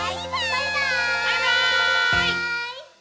「バイバーイ！」